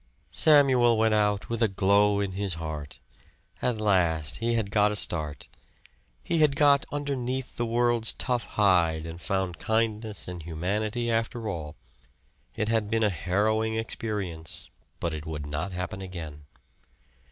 Samuel went out with a glow in his heart. At last he had got a start. He had got underneath the world's tough hide and found kindness and humanity after all. It had been a harrowing experience, but it would not happen again.